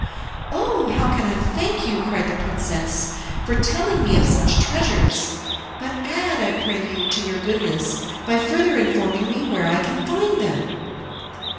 "Oh, how can I thank you," cried the princess, "for telling me of such treasures! But add, I pray you, to your goodness by further informing me where I can find them."